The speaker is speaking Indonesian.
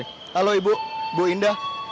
halo ibu ibu indah